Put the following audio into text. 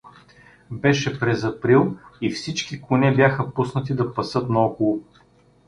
Беше през април и всички коне бяха пуснати да пасат наоколо.